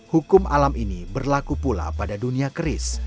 hukum alam ini berlaku pula pada dunia keris